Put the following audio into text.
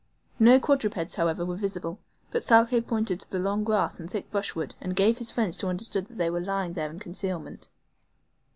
No quadrupeds, however, were visible, but Thalcave pointed to the long grass and thick brushwood, and gave his friends to understand they were lying there in concealment.